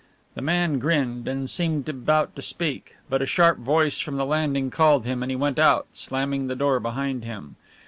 The man grinned, and seemed about to speak, but a sharp voice from the landing called him, and he went out, slamming the door behind him.